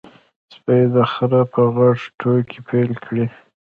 سپي د خره په غږ ټوکې پیل کړې.